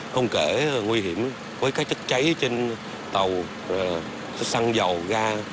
không kể nguy hiểm với các chất cháy trên tàu xăng dầu ga